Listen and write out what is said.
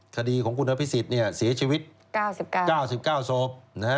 คดีของคุณนพิสิทธิ์เนี่ยเสียชีวิต๙๙ศพ